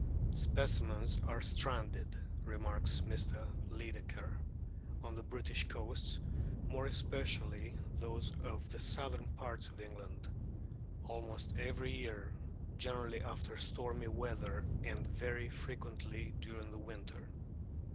" Specimens are stranded," remarks Mr. Lydekker, "on the British coasts, more especially those of the southern parts of England, almost every year, generally after stormy weather and very frequently during the winter."